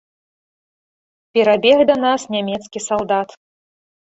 Перабег да нас нямецкі салдат.